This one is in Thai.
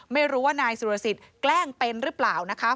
ไม่รู้ว่านายสุรสิทธิ์แกล้งเป็นหรือเปล่านะคะ